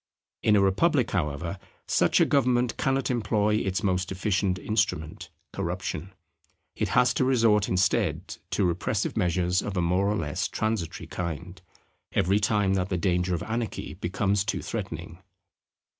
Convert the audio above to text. In a republic, however, such a government cannot employ its most efficient instrument, corruption. It has to resort instead to repressive measures of a more or less transitory kind, every time that the danger of anarchy becomes too threatening.